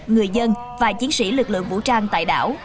người dân và chiến sĩ lực lượng vũ trang tại đảo